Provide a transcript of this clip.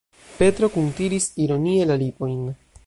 Petro kuntiris ironie la lipojn.